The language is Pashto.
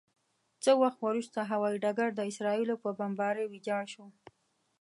څه وخت وروسته هوايي ډګر د اسرائیلو په بمبارۍ ویجاړ شو.